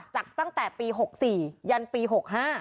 จากตั้งแต่ปีหกสี่ยันปีหกห้า